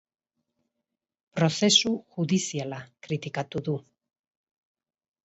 Prozesu judiziala kritikatu du.